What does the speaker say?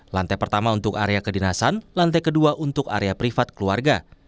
lantai pertama untuk area kedinasan lantai kedua untuk area privat keluarga